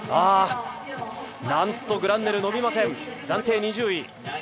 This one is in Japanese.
なんとグランネルー、伸びません、暫定２０位。